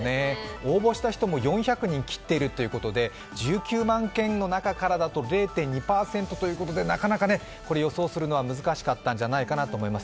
応募した人も４００人切っているということで１９万件の中からだと０．２％ということで、なかなか予想するのは難しかったんじゃないかと思います。